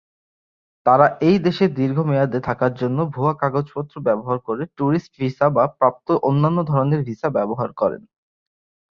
তারা এই দেশে দীর্ঘমেয়াদে থাকার জন্য ভুয়া কাগজপত্র ব্যবহার করে ট্যুরিস্ট ভিসা বা প্রাপ্ত অন্যান্য ধরনের ভিসা ব্যবহার করেন।